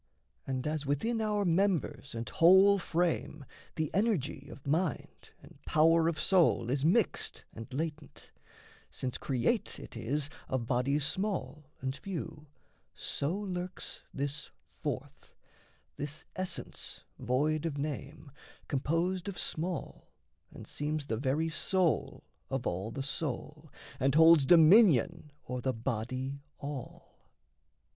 And as within our members and whole frame The energy of mind and power of soul Is mixed and latent, since create it is Of bodies small and few, so lurks this fourth, This essence void of name, composed of small, And seems the very soul of all the soul, And holds dominion o'er the body all.